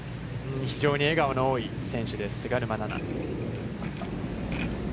非常に笑顔の多い選手です、菅沼菜々。